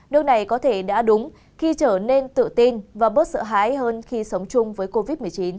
nước này có thể đã đúng khi trở nên tự tin và bớt sợ hãi hơn khi sống chung với covid một mươi chín